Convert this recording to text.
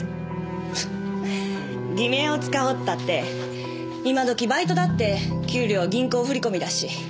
偽名を使おうったって今どきバイトだって給料は銀行振り込みだし。